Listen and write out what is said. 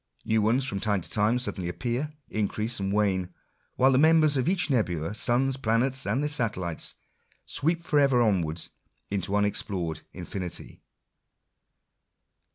New ones from time to time suddenly appear, increase and wane ; whilst the members of each nebula — suns, planets, and their satellites, sweep for ever onwards into unexplored infinity.